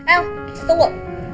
el satu bu